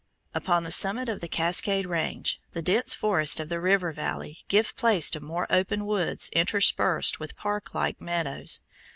Upon the summit of the Cascade Range the dense forests of the river valley give place to more open woods interspersed with park like meadows.